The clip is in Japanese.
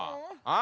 あ！